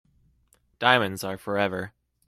Diamonds are forever.